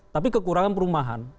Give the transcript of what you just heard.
tapi kekurangan perumahan